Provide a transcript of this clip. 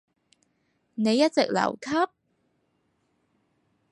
你一直留級？